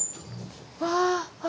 わあ。